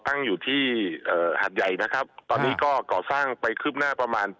ตั้งอยู่ที่เอ่อหาดใหญ่นะครับตอนนี้ก็ก่อสร้างไปคืบหน้าประมาณ